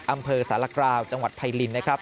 อำเภอสารกราวจังหวัดไพรินนะครับ